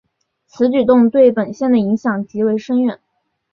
此举动对本线的影响极为深远。